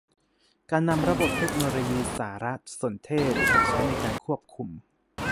การนำระบบเทคโนโลยีสารสนเทศมาใช้ในการควบคุม